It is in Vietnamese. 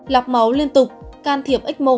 lọc máu liên tục can thiệp ecmo